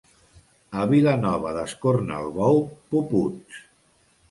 A Vilanova d'Escornalbou, puputs.